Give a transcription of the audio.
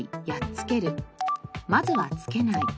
まずは「付けない」。